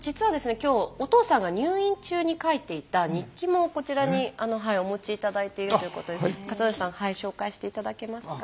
今日お父さんが入院中に書いていた日記もこちらにお持ちいただいているということで健徳さん紹介していただけますか。